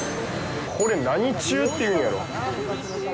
これ、何中っていうんやろう。